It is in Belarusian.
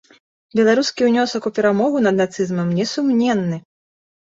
Беларускі ўнёсак у перамогу над нацызмам несумненны.